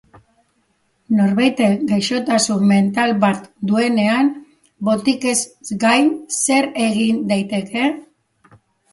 Norbaitek gaixotasun mental bat duenean, botikez gain, zer egin daiteke?